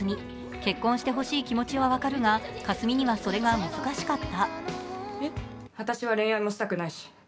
結婚してほしい気持ちは分かるが、佳純にはそれが難しかった。